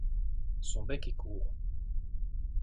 Son bec est court.